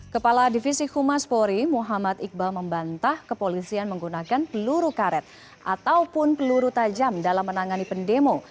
kepala divisi humas polri muhammad iqbal membantah kepolisian menggunakan peluru karet ataupun peluru tajam dalam menangani pendemo